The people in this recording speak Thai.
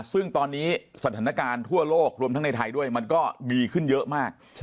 ซึ่งตอนนี้สถานการณ์ทั่วโลกรวมทั้งในไทยด้วยมันก็ดีขึ้นเยอะมาก